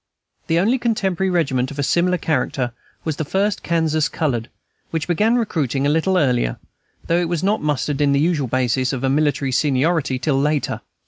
The only contemporary regiment of a similar character was the "First Kansas Colored," which began recruiting a little earlier, though it was not mustered in the usual basis of military seniority till later.